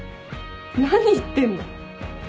何言ってんの？